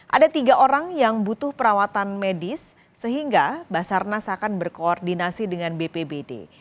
ada tiga orang yang butuh perawatan medis sehingga basarnas akan berkoordinasi dengan bpbd